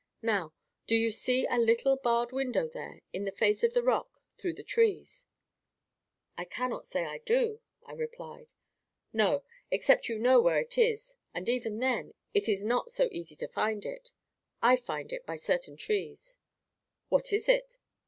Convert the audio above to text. Now, do you see a little barred window, there, in the face of the rock, through the trees?" "I cannot say I do," I replied. "No. Except you know where it is—and even then—it is not so easy to find it. I find it by certain trees." "What is it?"